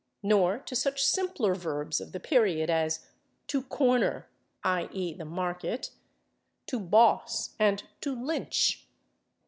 Nor to such simpler verbs of the period as /to corner/ (/i. e./, the market), /to boss/ and /to lynch